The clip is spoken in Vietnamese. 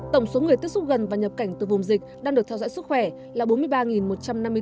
tổng số người tiếp xúc gần và nhập cảnh từ vùng dịch đang được theo dõi sức khỏe là bốn mươi ba một trăm năm mươi người